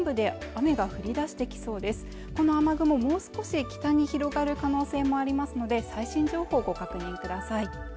もう少し北に広がる可能性もありますので最新情報をご確認ください